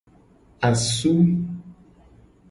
Asu.